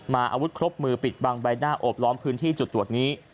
อาวุธครบมือปิดบังใบหน้าโอบล้อมพื้นที่จุดตรวจนี้